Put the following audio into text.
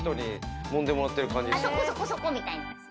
そこそこそこ！みたいな。